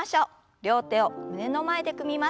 両手を胸の前で組みます。